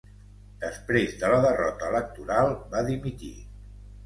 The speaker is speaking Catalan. Després de la derrota electoral, va dimitir.